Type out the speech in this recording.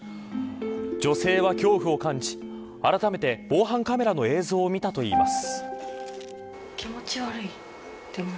女性は恐怖を感じあらためて、防犯カメラの映像を見たといいます。